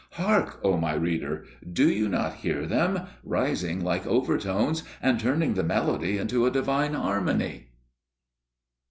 Hark, O my reader! Do you not hear them, rising like overtones and turning the melody into a divine harmony?